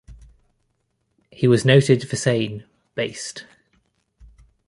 He was noted for saying ""Baste!